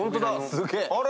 すげえ！